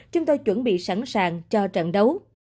chúng tôi chuẩn bị sẵn sàng cho trận đấu